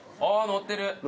あぁ乗ってる。